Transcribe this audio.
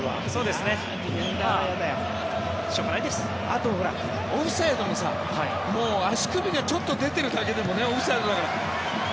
あとオフサイドもさ足首がちょっと出てるだけでもオフサイドだから。